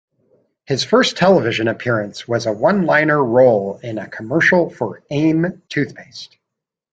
His first television appearance was a one-liner role in a commercial for Aim toothpaste.